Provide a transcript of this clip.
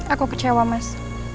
aku kecewa mas